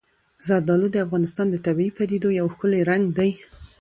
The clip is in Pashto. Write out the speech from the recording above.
زردالو د افغانستان د طبیعي پدیدو یو ښکلی رنګ دی.